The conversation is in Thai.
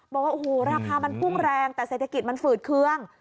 บอกว่าโอ้โหราคามันพุ่งแรงแต่เศรษฐกิจมันฝืดเคือง